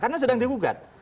karena sedang digugat